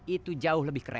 itu jauh lebih keren